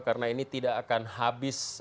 karena ini tidak akan habis